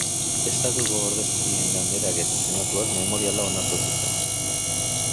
Estatuko Ordezkarien Ganberak eta Senatuak memoriala onartu zuten.